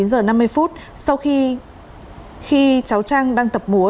sau khi cháu trang đang tập múa